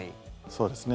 そうですね。